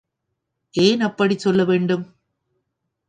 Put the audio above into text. ஏன் அப்படிச் சொல்ல வேண்டும்?